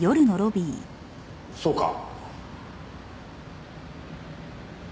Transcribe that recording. そうか。